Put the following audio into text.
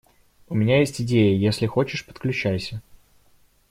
У меня есть идеи, если хочешь - подключайся.